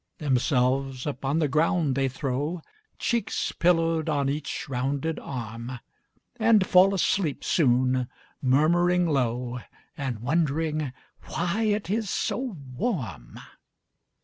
Themselves upon the ground they throw, Cheeks pillowed on each rounded arm And fall asleep soon, murmuring low, And wondering "why it is so warm?"